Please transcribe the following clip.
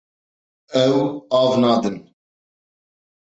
Ew av nadin.